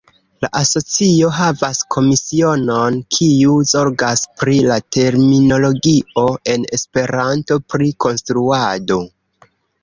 La asocio havas komisionon kiu zorgas pri la terminologio en Esperanto pri konstruado.